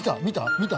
見た？